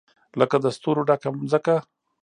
لکه د ستورو ډکه مځکه